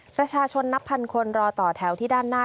ประชาชนนับพันคนรอต่อแถวที่ด้านหน้า